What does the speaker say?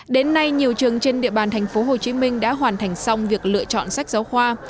đến nay nhiều trường trên địa bàn tp hcm đã hoàn thành xong việc lựa chọn sách giáo khoa